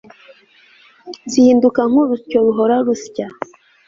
zihinduka nkurusyo ruhora rusya